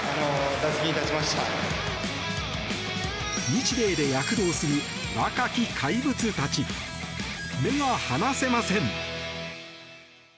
日米で躍動する若き怪物たち目が離せません。